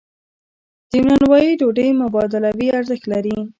د نانوایی ډوډۍ مبادلوي ارزښت لري.